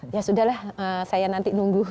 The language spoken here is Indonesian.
ya sudah lah saya nanti nunggu